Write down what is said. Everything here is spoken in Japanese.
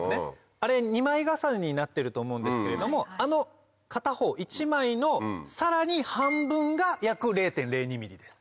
あれ２枚重ねになってると思うんですけれどもあの片方１枚のさらに半分が約０．０２ｍｍです。